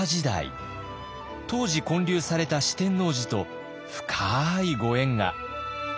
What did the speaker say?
当時建立された四天王寺と深いご縁が。